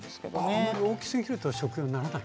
あまり大きすぎると食用にならないんですね。